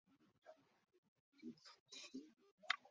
苏尔策莫斯是德国巴伐利亚州的一个市镇。